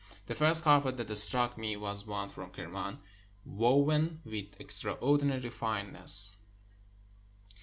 The first carpet that struck me was one from Kerman, woven with extraordinary fineness.